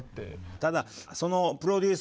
ただそのプロデュース